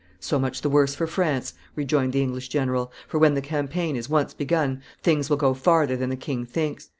"So much the worse for France," rejoined the English general; "for when the campaign is once begun, things will go farther than the king thinks.